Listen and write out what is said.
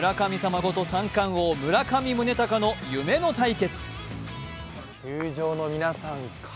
こと三冠王・村上宗隆の夢の対決。